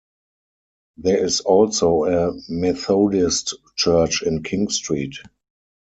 There is also a Methodist church in King Street.